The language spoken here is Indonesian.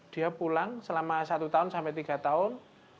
dia pulang selama satu tahun sampai tiga tahun